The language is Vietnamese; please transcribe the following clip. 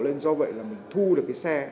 nên do vậy là mình thu được cái xe